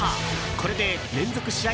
これで連続試合